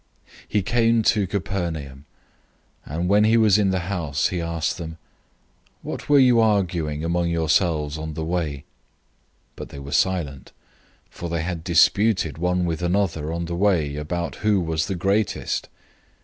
009:033 He came to Capernaum, and when he was in the house he asked them, "What were you arguing among yourselves on the way?" 009:034 But they were silent, for they had disputed one with another on the way about who was the greatest.